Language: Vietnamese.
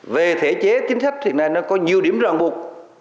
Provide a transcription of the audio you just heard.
về thể chế chính sách hiện nay nó có nhiều điểm ràng buộc